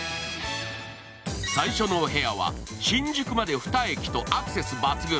最初のお部屋は、新宿まで２駅とアクセス抜群。